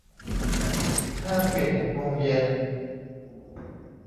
ห้างปิดหกโมงเย็น